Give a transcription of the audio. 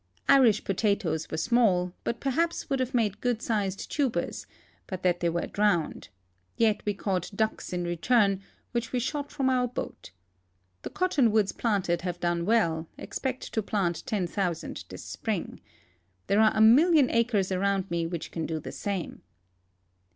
Irish potatoes were small, but per haps would have made good sized tubers but that they were drowned ; yet we caught ducks in return, which we shot from our boat. The cottonwoods planted have done well ; expect to plant 10,000 this spring. There are a million acres around me which can do the same."